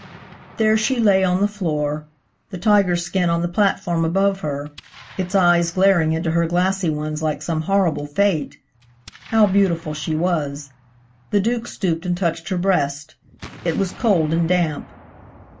There she lay on the floor–the tiger skin on the platform above her, its eyes glaring into her glassy ones like some horrible fate. How beautiful she was. The Duke stooped and touched her breast; it was cold and damp.